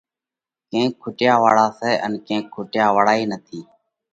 ڪينڪ کُٽيا واۯا سئہ ان ڪينڪ کُٽيا واۯا ئي نٿِي۔